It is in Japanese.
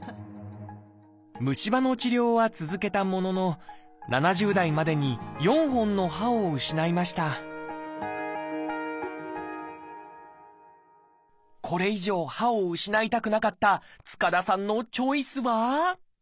虫歯の治療は続けたものの７０代までにこれ以上歯を失いたくなかった塚田さんのチョイスは？